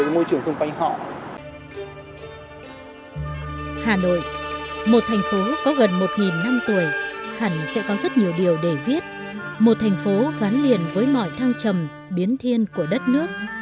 một thành phố ván liền với mọi thang trầm biến thiên của đất nước